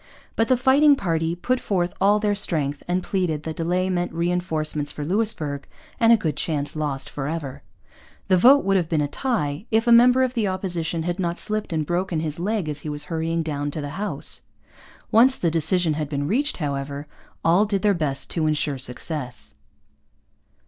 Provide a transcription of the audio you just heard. But the fighting party put forth all their strength and pleaded that delay meant reinforcements for Louisbourg and a good chance lost for ever. The vote would have been a tie if a member of the Opposition had not slipped and broken his leg as he was hurrying down to the House. Once the decision had been reached, however, all did their best to ensure success.